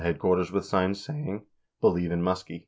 175 headquarters with signs saying, "Believe in Muskie."